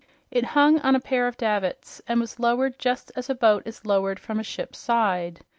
It hung on a pair of davits and was lowered just as a boat is lowered from a ship's side.